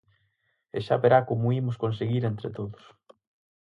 E xa verá como o imos conseguir entre todos.